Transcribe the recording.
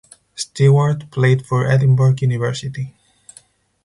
Stewart played for Edinburgh University.